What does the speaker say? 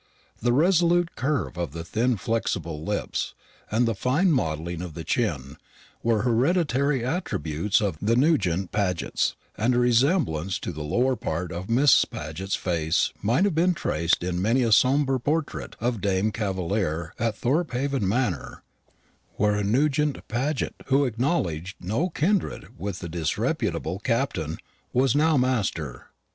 The resolute curve of the thin flexible lips, and the fine modelling of the chin, were hereditary attributes of the Nugent Pagets; and a resemblance to the lower part of Miss Paget's face might have been traced in many a sombre portrait of dame and cavalier at Thorpehaven Manor, where a Nugent Paget, who acknowledged no kindred with the disreputable Captain, was now master.